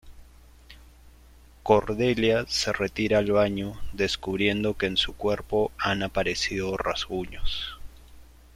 Cordelia se retira al baño descubriendo que en su cuerpo han aparecido rasguños.